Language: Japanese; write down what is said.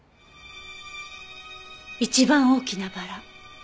一番大きなバラ。